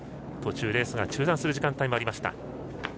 途中、レースが中断する時間帯もありました。